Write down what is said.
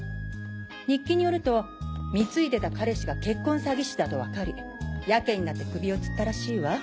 日記によると貢いでた彼氏が結婚詐欺師だと分かりやけになって首を吊ったらしいわ。